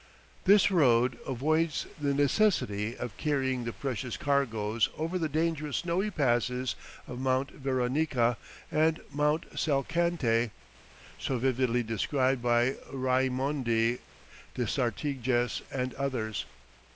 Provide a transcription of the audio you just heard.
This road avoids the necessity of carrying the precious cargoes over the dangerous snowy passes of Mt. Veronica and Mt. Salcantay, so vividly described by Raimondi, de Sartiges, and others.